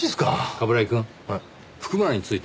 冠城くん。